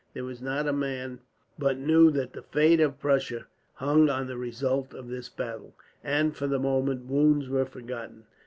There was not a man but knew that the fate of Prussia hung on the result of this battle, and for the moment wounds were forgotten.